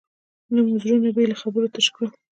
نه مو زړونه بې له خبرو تش کړل.